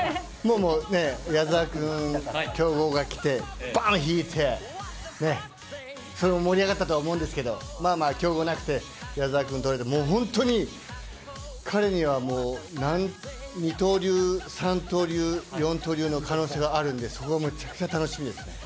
矢澤君、競合が来て、バン引いてそれも盛り上がったと思いましたけどまあまあ競合なくて矢澤君とれて、本当に彼には二刀流、三刀流、四刀流の可能性があるのでそこがめちゃくちゃ楽しみです。